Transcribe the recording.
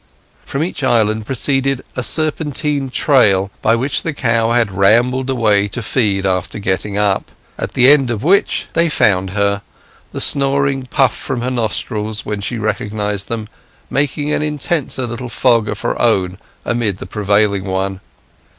From each island proceeded a serpentine trail, by which the cow had rambled away to feed after getting up, at the end of which trail they found her; the snoring puff from her nostrils, when she recognized them, making an intenser little fog of her own amid the prevailing one.